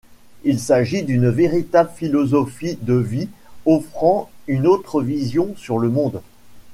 Il s'agit d'une véritable philosophie de vie offrant une autre vision sur le monde.